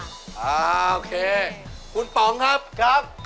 โอเคคุณป๋องครับครับ